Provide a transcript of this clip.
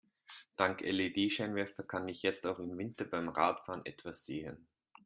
Dank LED-Scheinwerfer kann ich jetzt auch im Winter beim Radfahren etwas sehen.